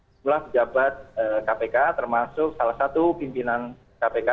jumlah pejabat kpk termasuk salah satu pimpinan kpk